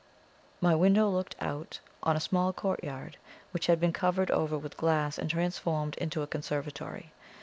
My window looked out on a small courtyard, which had been covered over with glass and transformed into a conservatory.